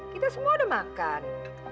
kita semua udah makan